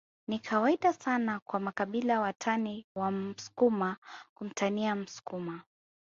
Ni kawaida sana kwa makabila watani wa msukuma kumtania msukuma